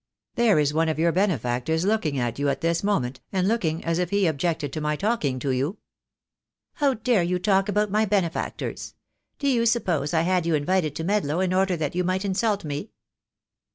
"There is one of your benefactors looking at you at this moment, and looking as if he objected to my talking to you." "How dare you talk about my benefactors? Do you suppose I had you invited to Medlow in order that you might insult me?"